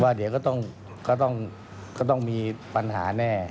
เดี๋ยวก็ต้องมีปัญหาแน่